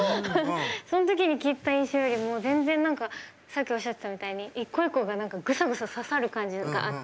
そのときに聴いた印象よりも全然、なんかさっきおっしゃってたみたいに一個一個がぐさぐさ刺さる感じがあった。